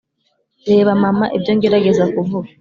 reba mama, ibyo ngerageza kuvuga.